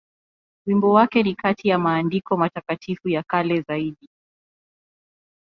Wimbo wake ni kati ya maandiko matakatifu ya kale zaidi.